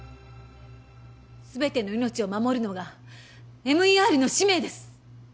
全ての命を守るのがＭＥＲの使命です